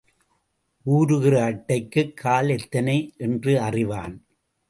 ஊருகிற அட்டைக்குக் கால் எத்தனை என்று அறிவான்.